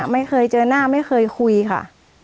ไม่เคยเจอหน้าไม่เคยคุยค่ะ